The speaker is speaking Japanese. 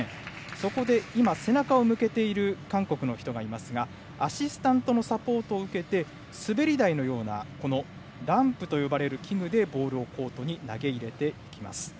そこで、今背中を向けている韓国の人がいますがアシスタントのサポートを受けて滑り台のようなランプと呼ばれる器具でボールをコートに投げ入れていきます。